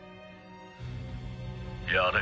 やれ。